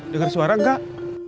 dengar suara gak